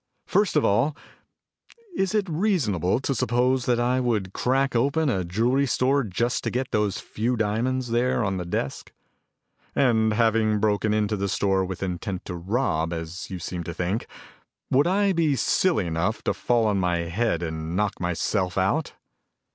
First of all, is it reasonable to suppose that I would crack open a jewelry store just to get those few diamonds there on the desk? And having broken into the store with intent to rob, as you seem to think, would I be silly enough to fall on my head and knock myself out?"